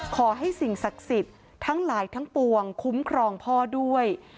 ขอให้สิ่งศักดิ์สิทธิ์ทั้งหลายทั้งปวงคุ้มครองพ่อด้วย